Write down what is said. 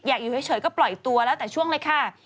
อยู่เฉยก็ปล่อยตัวแล้วแต่ช่วงเลยค่ะ